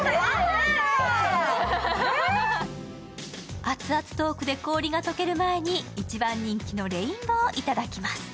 アツアツトークで氷が溶ける前に、一番人気のレインボーいただきます。